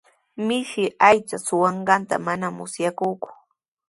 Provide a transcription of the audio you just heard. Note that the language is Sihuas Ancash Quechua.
Mishi aycha suqanqanta manami musyayaaku.